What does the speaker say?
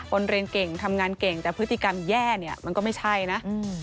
คนเรียนเก่งทำงานเก่งแต่พฤติกรรมแย่เนี่ยมันก็ไม่ใช่นะ